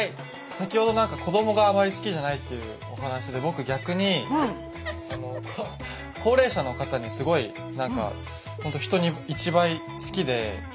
先ほどなんか子どもがあまり好きじゃないっていうお話で僕逆に高齢者の方にすごいなんかほんと人に一倍好きで。